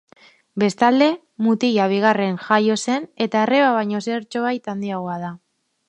Bestalde, mutila bigarren jaio zen eta arreba baino zertxobait handiagoa da.